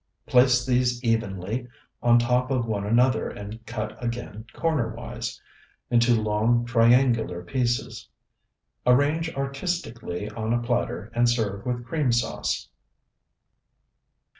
Place these evenly on top of one another and cut again cornerwise, into long triangular pieces. Arrange artistically on a platter, and serve with cream sauce.